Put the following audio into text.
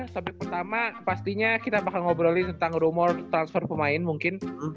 sampai pertama pastinya kita bakal ngobrolin tentang rumor transfer pemain mungkin